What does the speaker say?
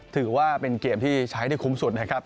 ถือว่าเป็นเกมที่ใช้ได้คุ้มสุดนะครับ